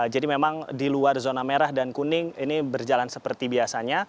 jadi memang di luar zona merah dan kuning ini berjalan seperti biasanya